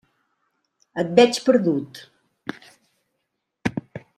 Et veig perdut.